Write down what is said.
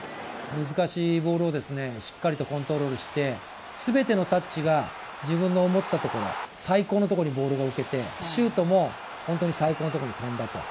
難しいボールをしっかりとコントロールして全てのタッチが自分の思ったところ、最高のとこにボールが打てて、シュートも最高のとこに飛んだと。